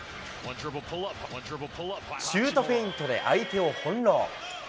シュートフェイントで相手を翻弄。